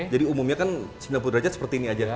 jadi umumnya kan sembilan puluh derajat seperti ini aja